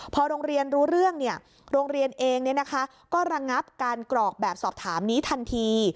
พอโรงเรียนรู้เรื่องโรงเรียนเองก็ระงับการกรอกแบบสอบถามนี้ทันที